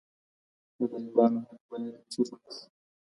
د غریبانو حق باید چور نه سي.